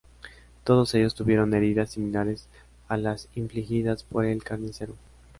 Todos ellos tuvieron heridas similares a las infligidas por el carnicero.